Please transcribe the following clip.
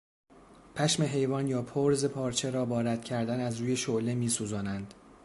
پشم حیوان یا پرز پارچه را با رد کردن از روی شعله میسوزانند.